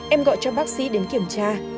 em gọi cho bác sĩ đến kiểm tra